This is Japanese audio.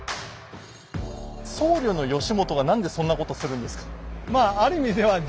僧侶の義元が何でそんなことするんですか？